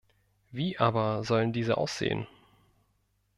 Wie aber sollen diese aussehen?